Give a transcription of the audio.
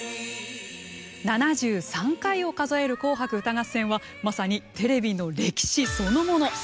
７３回を数える「紅白歌合戦」はまさにテレビの歴史そのもの。